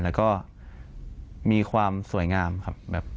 แล้วก็มีความสวยงามครับ